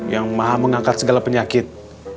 yang maha mengangkat segala penyakit